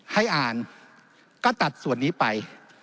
ให้อ่านก็ตัดส่วนนี้ไป